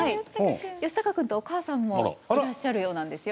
吉孝君とお母さんもいらっしゃるようなんですよ。